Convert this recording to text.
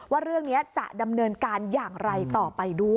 ว่าเรื่องนี้จะดำเนินการอย่างไรต่อไปด้วย